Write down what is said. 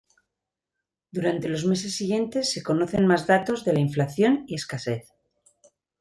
Durante los meses siguientes se conocen más datos de inflación y escasez.